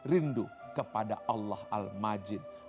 rindu kepada allah al majid